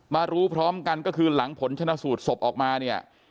มารู้พร้อมกันก็คือหลังผลชนะสูตรศพออกมาเนี่ย